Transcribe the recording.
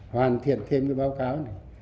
hoàn thiện thêm cái báo cáo này